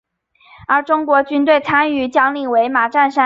而中国军队参与将领为马占山。